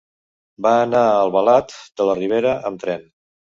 Va anar a Albalat de la Ribera amb tren.